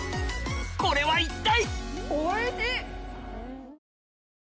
これは一体？